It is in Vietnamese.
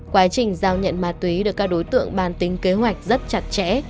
quá trình giao nhận ma túy được các đối tượng bàn tính kế hoạch rất chặt chẽ